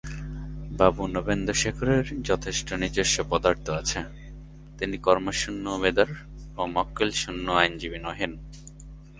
বাবু নবেন্দুশেখরের যথেষ্ট নিজস্ব পদার্থ আছে, তিনি কর্মশূন্য উমেদার ও মক্কেলশূন্য আইনজীবী নহেন।